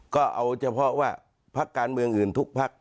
ก็เอาเฉพาะว่าพักการเมืองอื่นทุกพัก